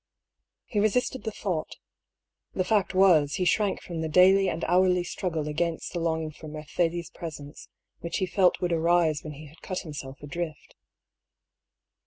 He resisted the thought. The fact was, he shrank from the daily and hourly struggle against the longing for Mercedes' presence which he felt would arise when he had cut himself adrift.